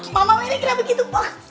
mama ini kenapa begitu moks